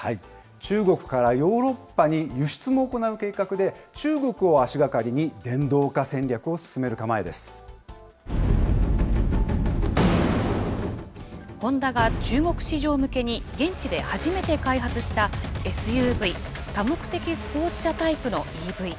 中国からヨーロッパに輸出も行う計画で、中国を足がかりに、ホンダが中国市場向けに現地で初めて開発したＳＵＶ・多目的スポーツ車タイプのＥＶ。